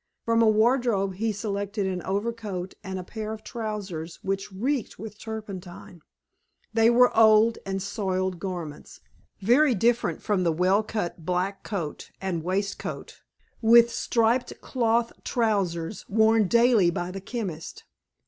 From a wardrobe he selected an overcoat and pair of trousers which reeked with turpentine. They were old and soiled garments, very different from the well cut black coat and waistcoat, with striped cloth trousers, worn daily by the chemist.